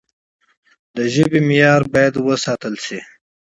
د ژبي معیار باید وساتل سي.